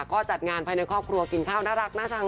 ก็จัดงานภายในครอบครัวกินข้าวน่ารักน่าชัง